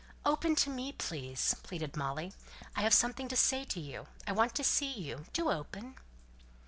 "Open to me, please," pleaded Molly. "I have something to say to you I want to see you do open!"